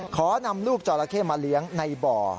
ขอนำลูกจอราเข้มาเลี้ยงในบ่อ